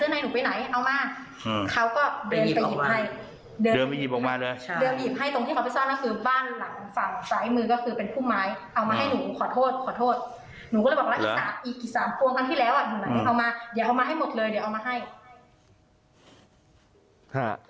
หนูหลังให้เอามาเดี๋ยวเอามาให้หมดเลยเดี๋ยวเอามาให้